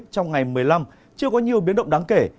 trong ngày một mươi năm chưa có nhiều biến động đáng kể